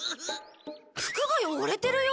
服が汚れてるよ。